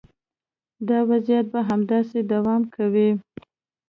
دا وضعیت به همداسې دوام کوي.